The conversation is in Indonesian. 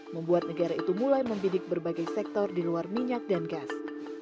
membuat negara itu mulai membidik berbagai sektor di luar minyak dan gas